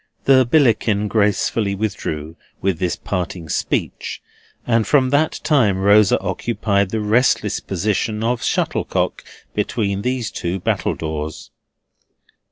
The Billickin gracefully withdrew with this parting speech, and from that time Rosa occupied the restless position of shuttlecock between these two battledores.